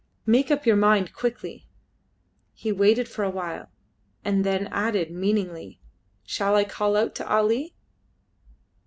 Make up your mind quickly." He waited for a while, and then added meaningly "Shall I call out to Ali?"